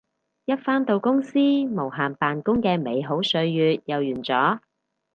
一返到公司無限扮工嘅美好歲月又完咗